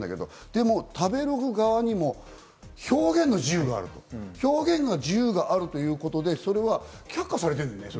でも食べログ側にも表現の自由があると、表現の自由があるということで、それは却下されている。